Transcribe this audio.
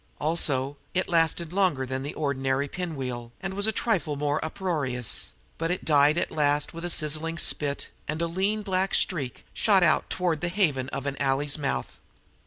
Also, it lasted longer than the ordinary pinwheel, and was a trifle more uproarious; but it died at last with a sizzling spit, and a lean black streak shot out toward the haven of an alley's mouth.